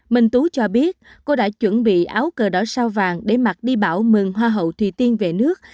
minh tú cho biết cô đã chuẩn bị áo cờ đỏ sao vàng để mặc đi bảo mừng hoa hậu thùy tiên về nước